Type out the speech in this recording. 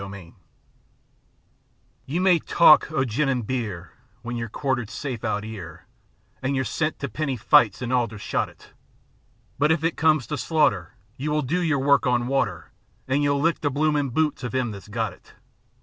GUNGA DIN You may talk o' gin and beer When you're quartered safe out 'ere, An' you're sent to penny fights an' Aldershot it; But when it comes to slaughter You will do your work on water, An' you'll lick the bloomin' boots of 'im that's got it.